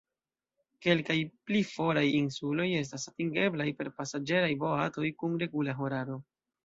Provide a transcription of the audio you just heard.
Kelkaj pli foraj insuloj estas atingeblaj per pasaĝeraj boatoj kun regula horaro.